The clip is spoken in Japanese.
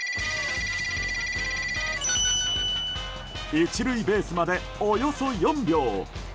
１塁ベースまで、およそ４秒！